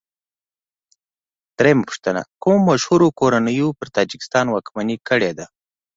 درېمه پوښتنه: کومو مشهورو کورنیو پر تاجکستان واکمني کړې ده؟